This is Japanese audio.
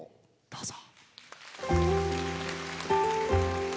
どうぞ。